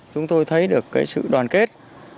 chúng tôi thấy được cái sự đoàn kết